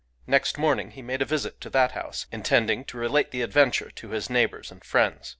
Next morning he made a visit to that house, intending to relate the adventure to his neighbours and friends.